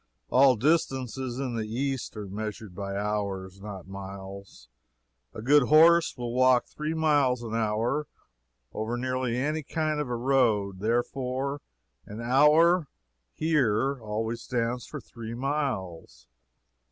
All distances in the East are measured by hours, not miles. A good horse will walk three miles an hour over nearly any kind of a road; therefore, an hour, here, always stands for three miles.